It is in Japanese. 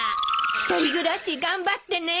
一人暮らし頑張ってね。